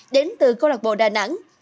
đến từ câu lạc bộ đà nẵng